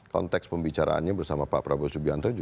konteks pembicaraannya bersama pak prabowo subianto